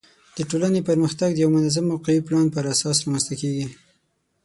د ټولنې پرمختګ د یوه منظم او قوي پلان پر اساس رامنځته کیږي.